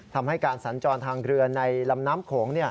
ทำให้การสัญจรทางเรือในลำน้ำโขง